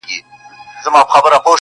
پر بل مخ سوه هنګامه په یوه آن کي-